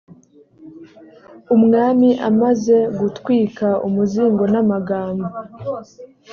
umwami amaze gutwika umuzingo n’amagambo